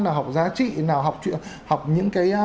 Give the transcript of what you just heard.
nào học giá trị nào học những cái